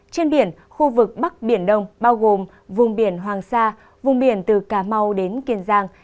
trên biển khu vực bắc biển đông bao gồm vùng biển hoàng sa vùng biển từ cà mau đến kiên giang